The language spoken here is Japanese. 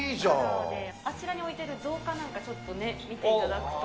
あちらに置いてる造花なんかちょっとね、見ていただくと。